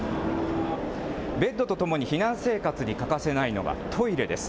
ベッドとともに避難生活に欠かせないのがトイレです。